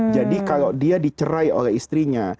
jadi kalau dia dicerai oleh istrinya